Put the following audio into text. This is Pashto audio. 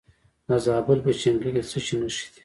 د زابل په شنکۍ کې د څه شي نښې دي؟